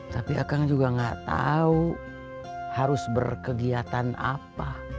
tapi akang juga nggak tahu harus berkegiatan apa